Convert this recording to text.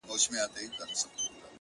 ما چي د ميني په شال ووهي ويده سمه زه؛